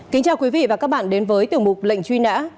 kính chào quý vị và các bạn đến với tiểu mục lệnh truy nã